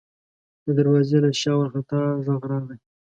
د دروازې له شا وارخطا غږ راغی: